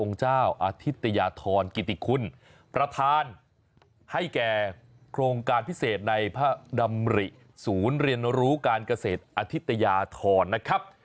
ของเจ้าอาทิตยาทอนกิติคุณพระธานให้แกโครงการพิเศษในผ้านำลิศูนย์เรียนรู้การเกษตรอาทิตยาทอนนะครับ